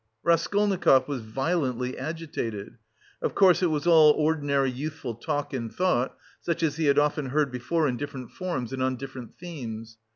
Raskolnikov was violently agitated. Of course, it was all ordinary youthful talk and thought, such as he had often heard before in different forms and on different themes.